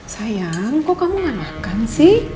sayang kok kamu gak makan sih